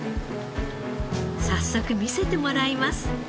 早速見せてもらいます。